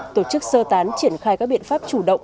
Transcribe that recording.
tổ chức sơ tán triển khai các biện pháp chủ động